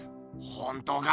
本当か？